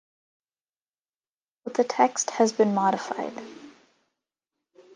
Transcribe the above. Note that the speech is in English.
But the text has been modified.